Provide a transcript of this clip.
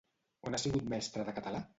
On ha sigut mestra de català?